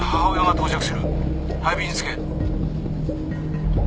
配備につけ」